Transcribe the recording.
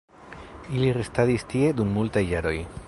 Ili restadis tie dum multaj jaroj.